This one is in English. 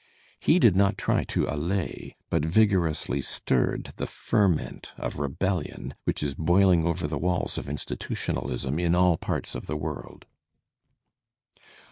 He did not try to allay, but vigorously stirred the ferment of rebellion which is boiling over the walls of institutionalism in all parts of the world.